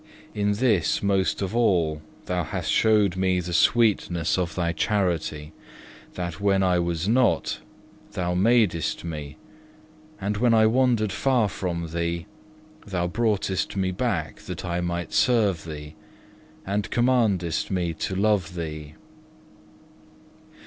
In this most of all Thou hast showed me the sweetness of Thy charity, that when I was not, Thou madest me, and when I wandered far from Thee, Thou broughtest me back that I might serve Thee, and commandedst me to love Thee.